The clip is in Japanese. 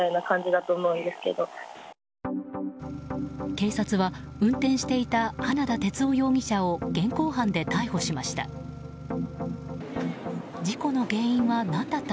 警察は運転していた花田哲男容疑者を現行犯で逮捕しました。